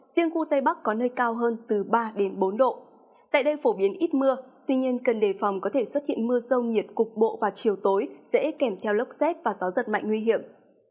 riêng khu tây bắc có nơi cao hơn từ ba bốn độ tại đây phổ biến ít mưa tuy nhiên cần đề phòng có thể xuất hiện mưa rông nhiệt cục bộ vào chiều tối dễ kèm theo lốc xét và gió giật mạnh nguy hiểm